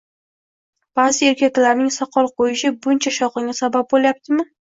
ba’zi erkaklarning soqol qo‘yishi buncha shovqinga sabab bo‘layapti?